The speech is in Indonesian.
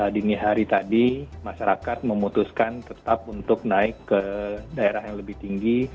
dini hari tadi masyarakat memutuskan tetap untuk naik ke daerah yang lebih tinggi